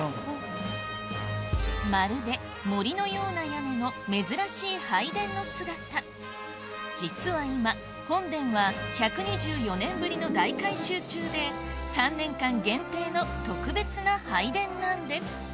まるで森のような屋根の珍しい拝殿の姿実は今本殿は１２４年ぶりの大改修中で３年間限定の特別な拝殿なんです